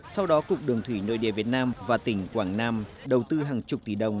sau đó cục đường thủy nội địa việt nam và tỉnh quảng nam đầu tư hàng chục tỷ đồng